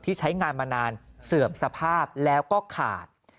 ใช้งานมานานเสื่อมสภาพแล้วก็ขาด